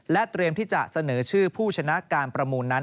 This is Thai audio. เตรียมที่จะเสนอชื่อผู้ชนะการประมูลนั้น